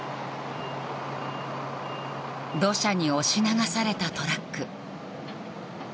土砂に押し流されたトラック。